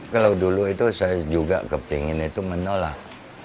kalau dulu itu saya juga kepingin itu menolak